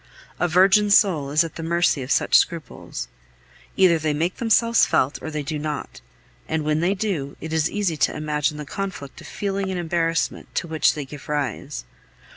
A virgin soul is at the mercy of such scruples. Either they make themselves felt or they do not; and when they do, it is easy to imagine the conflict of feeling and embarrassment to which they give rise.